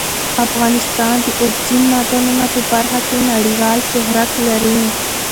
افغانستان د اوبزین معدنونه په برخه کې نړیوال شهرت لري.